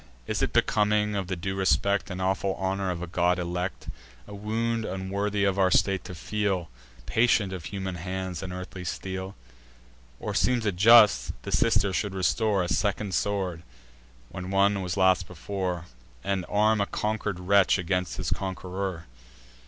Is it becoming of the due respect And awful honour of a god elect, A wound unworthy of our state to feel, Patient of human hands and earthly steel? Or seems it just, the sister should restore A second sword, when one was lost before, And arm a conquer'd wretch against his conqueror?